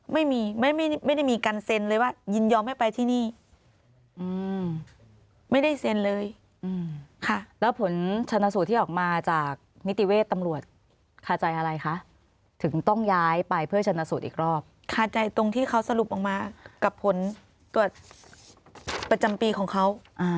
ไม่มีไม่ได้มีการเซ็นเลยว่ายินยอมให้ไปที่นี่ไม่ได้เซ็นเลยค่ะแล้วผลชนสูตรที่ออกมาจากนิติเวชตำรวจคาใจอะไรคะถึงต้องย้ายไปเพื่อชนะสูตรอีกรอบคาใจตรงที่เขาสรุปออกมากับผลตรวจประจำปีของเขา